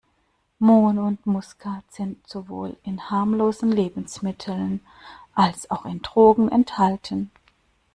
Mohn und Muskat sind sowohl in harmlosen Lebensmitteln, als auch in Drogen enthalten.